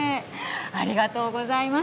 ありがとうございます。